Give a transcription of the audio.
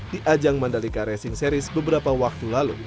di ajang mandalika racing series beberapa waktu lalu